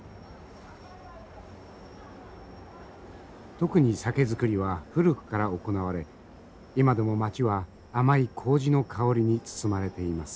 特に酒造りは古くから行われ今でも町は甘い麹の香りに包まれています。